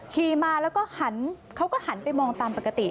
ขี่มาแล้วก็หันเขาก็หันไปมองตามปกติ